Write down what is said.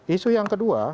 isu yang kedua